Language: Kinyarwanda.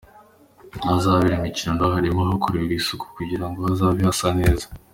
Ahazabera imikino naho harimo hakorerwa isuku kugira ngo hazabe hasa neza.